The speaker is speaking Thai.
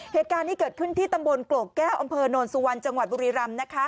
เหตุการณ์นี้เกิดขึ้นที่ตำบลโกกแก้วอำเภอโนนสุวรรณจังหวัดบุรีรำนะคะ